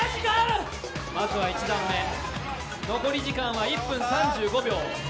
まずは１段目、残り時間は１分３５秒。